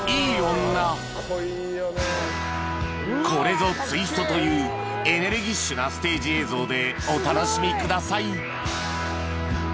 これぞツイストというエネルギッシュなステージ映像でお楽しみください